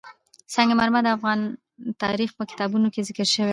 سنگ مرمر د افغان تاریخ په کتابونو کې ذکر شوی دي.